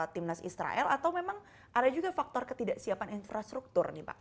timnas israel atau memang ada juga faktor ketidaksiapan infrastruktur nih pak